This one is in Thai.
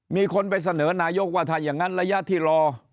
มีคนไปเสนอนายกว่าถ้าอย่างนั้นระยะที่รอ